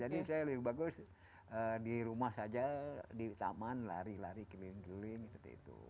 jadi saya lebih bagus di rumah saja di taman lari lari keliling keliling seperti itu